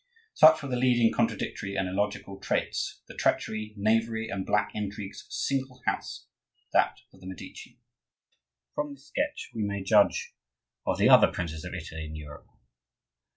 Such were the leading contradictory and illogical traits, the treachery, knavery, and black intrigues of a single house, that of the Medici. From this sketch, we may judge of the other princes of Italy and Europe.